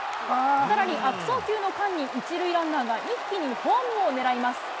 さらに悪送球の間に、１塁ランナーが一気にホームをねらいます。